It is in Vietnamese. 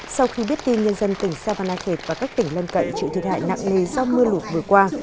sau khi biết tin nhân dân tỉnh savanakhet và các tỉnh lân cậy chịu thiệt hại nặng nề do mưa lụt vừa qua